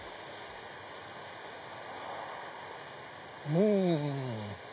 うん。